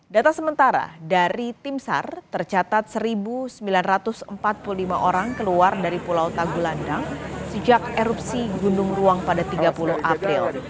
data sementara dari tim sar tercatat satu sembilan ratus empat puluh lima orang keluar dari pulau tanggulandang sejak erupsi gunung ruang pada tiga puluh april